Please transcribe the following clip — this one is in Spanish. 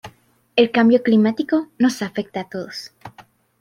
El cambio climático nos afecta a todos.